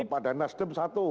kepada nasdem satu